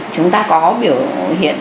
chúng ta có biểu hiện